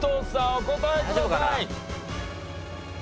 お答えください。